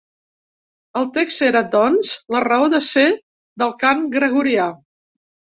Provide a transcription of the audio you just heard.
El text era, doncs, la raó de ser del cant gregorià.